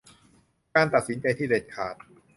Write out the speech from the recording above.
การตัดสินใจที่เด็ดขาด